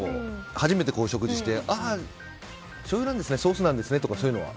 初めて食事してしょうゆなんですねソースなんですねとかそういうのは。